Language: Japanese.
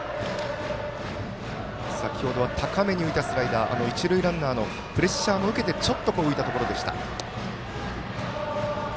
先ほどは高めに浮いたスライダー一塁ランナーのプレッシャーも受けてちょっと浮いたところでした。